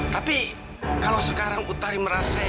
tapi kalau sekarang utari merasa